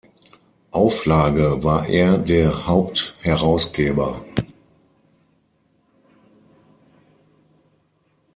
Auflage war er der Hauptherausgeber.